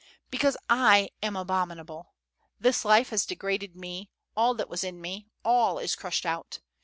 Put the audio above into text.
"Because I am abominable. This life has degraded me, all that was in me, all is crushed out.